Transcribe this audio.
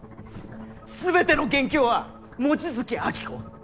全ての元凶は望月暁子。